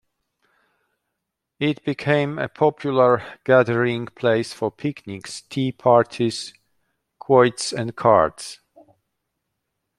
It became a popular gathering place for picnics, tea parties, quoits and cards.